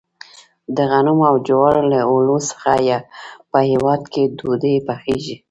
د غنمو او جوارو له اوړو څخه په هیواد کې ډوډۍ پخیږي.